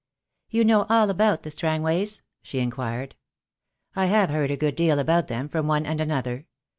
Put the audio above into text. "You know all about the Strangways?" she inquired. "I have heard a good deal about them from one and another.